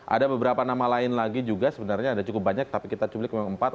ada beberapa nama lain lagi juga sebenarnya ada cukup banyak tapi kita cumlik keempat